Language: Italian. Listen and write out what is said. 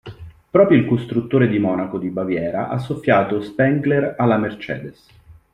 Proprio il costruttore di Monaco di Baviera ha soffiato Spengler alla Mercedes.